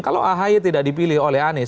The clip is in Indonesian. kalau ahi tidak dipilih oleh anis